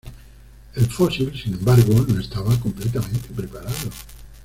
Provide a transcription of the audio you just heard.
El fósil, sin embargo, no estaba completamente preparado.